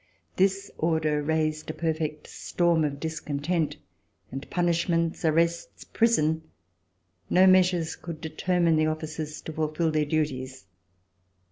This order raised a perfect storm of discontent, and punishments, arrests, prison — no measures could determine the officers to fulfil their duties.